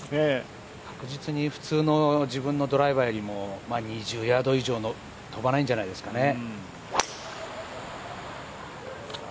確実に普通の自分のドライバーよりも２０ヤード以上飛ばないんじゃないでしょうかね。